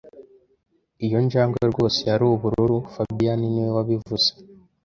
Iyo njangwe rwose yari ubururu fabien niwe wabivuze (